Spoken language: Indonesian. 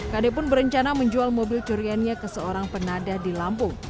kd pun berencana menjual mobil curiannya ke seorang penadah di lampung